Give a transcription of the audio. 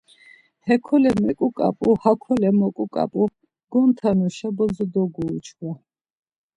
Hekole meǩuǩap̌u, hakole moǩuǩap̌u, gontanuşa bozo dogoru çkva.